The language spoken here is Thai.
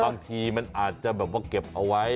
บางทีมันอาจจะเก็บเอาไว้